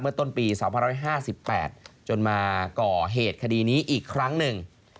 เมื่อต้นปีสองพันร้อยห้าสิบแปดจนมาก่อเหตุคดีนี้อีกครั้งหนึ่ง